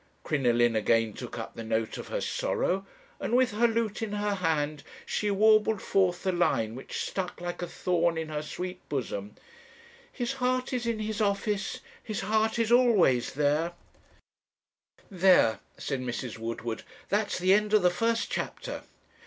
"Crinoline again took up the note of her sorrow, and with her lute in her hand, she warbled forth the line which stuck like a thorn in her sweet bosom: His heart is in his office his heart IS ALWAYS there." 'There,' said Mrs. Woodward, 'that's the end of the first chapter.'